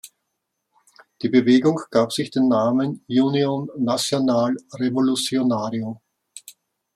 Die Bewegung gab sich den Namen "Union Nacional Revolucionario".